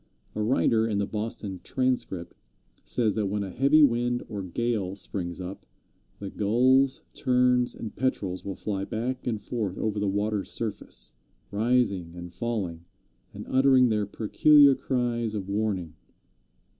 A writer in the Boston Transcript says that when a heavy wind or gale springs up, the Gulls, Terns and Petrels will fly back and forth over the water's surface, rising and falling, and uttering their peculiar cries of warning.